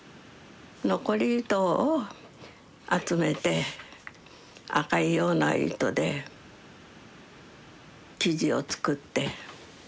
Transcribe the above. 残り糸を集めて赤いような糸で生地を作って。